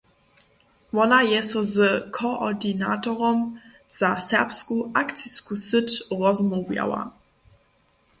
Wona je so z koordinatorom za serbsku akcisku syć rozmołwjała.